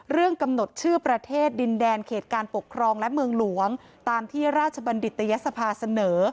เรื่องกำหนดชื่อประเทศดินแดนเขตการปกครองและเมืองหลวงตามที่ราชบัณฑิตยศภาเสนอ